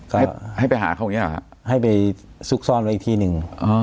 ให้ให้ไปหาเขาอย่างนี้หรอฮะให้ไปซุกซ่อนไว้อีกที่หนึ่ง